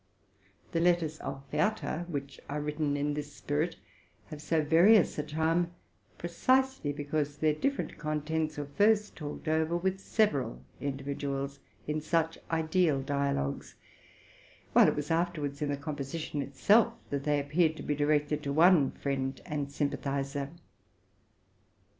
The letters of Werther, which are written in this spirit, have so various a charm, precisely because their different contents were first talked over with several individuals in such ideal dialogues ; while it was afterwards in the composition itself that they appeared to be directed to one friend and sympathizer.